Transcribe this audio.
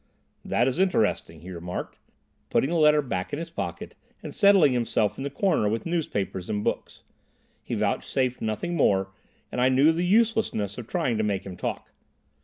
"That is interesting," he remarked, putting the letter back in his pocket, and settling himself in the corner with newspapers and books. He vouchsafed nothing more, and I knew the uselessness of trying to make him talk.